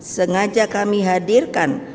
sengaja kami hadirkan